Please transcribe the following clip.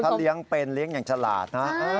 เลี้ยงเป็นเลี้ยงอย่างฉลาดนะ